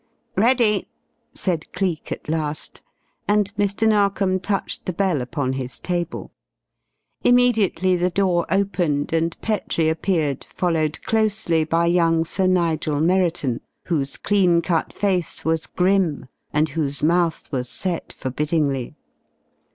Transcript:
"Ready," said Cleek at last, and Mr. Narkom touched the bell upon his table. Immediately the door opened and Petrie appeared followed closely by young Sir Nigel Merriton, whose clean cut face was grim and whose mouth was set forbiddingly.